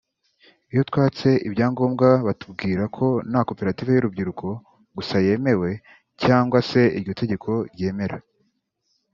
Iyo twatse ibyangombwa batubwira ko nta koperative y’urubyiruko gusa yemeye cyangwa se iryo tegeko ryemera